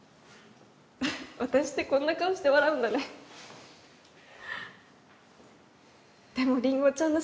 私ってこんな顔して笑うんだねでもりんごちゃんの写真は